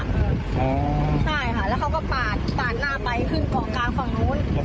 ใช่ค่ะแล้วเขาก็ปาดปาดหน้าไปขึ้นเกาะกลางฝั่งนู้น